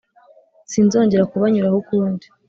sinzongera kubanyuraho ukundi